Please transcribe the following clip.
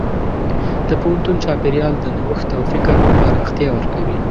د پوهنتون چاپېریال د نوښت او فکر پراختیا ورکوي.